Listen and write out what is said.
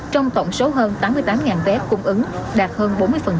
trong tổng số hơn tám mươi tám vé cung ứng đạt hơn bốn mươi